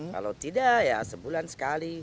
kalau tidak ya sebulan sekali